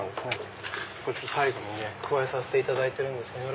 最後に加えさせていただいてるんです。